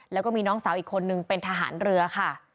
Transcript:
แล้วก็มีน้องสาวอีกคนนึงเป็นทหารเรือค่ะ